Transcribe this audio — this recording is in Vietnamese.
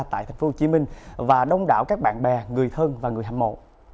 tại tp hcm và đông đảo các bạn bè người thân và người hâm mộ